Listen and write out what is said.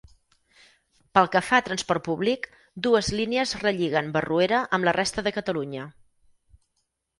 Pel que fa a transport públic, dues línies relliguen Barruera amb la resta de Catalunya.